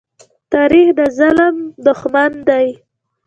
تاریخ د ظلم دښمن دی.